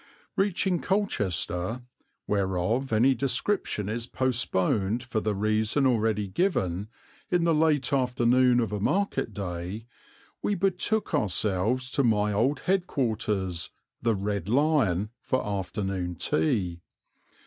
Reaching Colchester, whereof any description is postponed for the reason already given, in the late afternoon of a market day, we betook ourselves to my old head quarters, the "Red Lion," for afternoon tea.